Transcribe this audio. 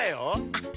あっ！